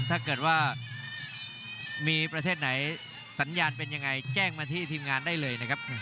ถ้าเกิดว่ามีประเทศไหนสัญญาณเป็นยังไงแจ้งมาที่ทีมงานได้เลยนะครับ